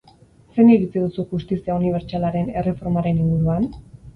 Zein iritzi duzu justizia unibertsalaren erreformaren inguruan?